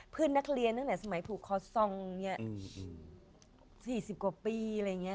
เพื่อนนักเรียนนั้นไหนสมัยภูคศรองสี่สิบกว่าปี